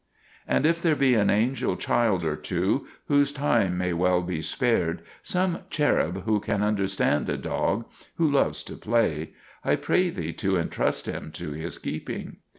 And if there be an angel child or two whose time may well be spared, some cherub who can under stand a dog, who loves to play, I pray thee to en trust him to his keeping.